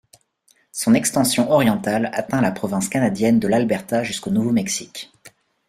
Son extension orientale atteint la province canadienne de l’Alberta jusqu’au Nouveau-Mexique.